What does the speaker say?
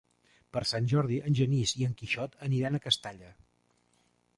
Per Sant Jordi en Genís i en Quixot aniran a Castalla.